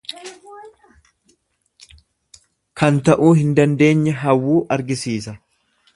Kan ta'uu hin dandeenye hawwuu argisiisa.